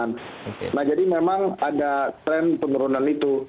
nah jadi memang ada tren penurunan itu